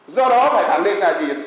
do đó phải thẳng lên là gì